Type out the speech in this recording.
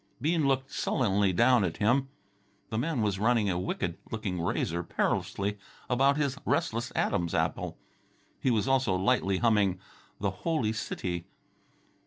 Bean looked sullenly down at him. The man was running a wicked looking razor perilously about his restless Adam's apple. He was also lightly humming "The Holy City."